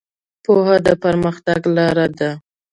پوهه د پرمختګ لاره ده.